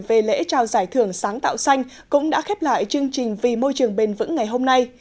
về lễ trao giải thưởng sáng tạo xanh cũng đã khép lại chương trình vì môi trường bền vững ngày hôm nay